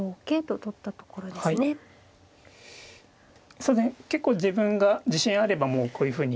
そうですね結構自分が自信あればもうこういうふうに。